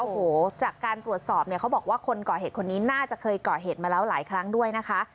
โอ้โหจากการตรวจสอบเนี่ยเขาบอกว่าคนก่อเหตุคนนี้น่าจะเคยเกาะเหตุมาแล้วหลายครั้งด้วยนะคะ